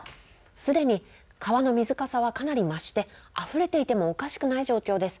すでに川の水かさはかなり増してあふれていてもおかしくない状況です。